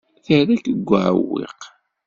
Terra-k deg uɛewwiq.